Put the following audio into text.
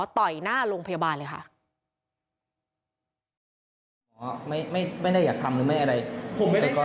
ต่อยหน้าโรงพยาบาลเลยค่ะ